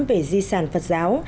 về di sản phật giáo